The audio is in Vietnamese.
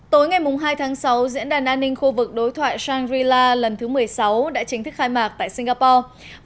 tối ngày hai tháng sáu diễn đàn an ninh khu vực đối thoại shangri la lần thứ một mươi sáu đã chính thức khai mạc tại singapore